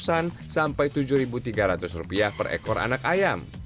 enam lima ratus an sampai tujuh tiga ratus rupiah per ekor anak ayam